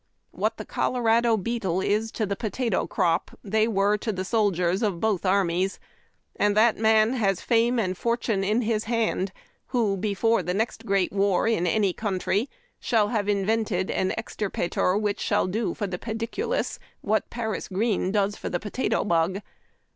What the Colorado beetle is to the potato crop they were to the soldiers of both armies, and that man has fame and fortune in his hand who, before the next great war in any country, shall have invented an extirpator which shall'do for the pedieulus what paris green does for the potato bug.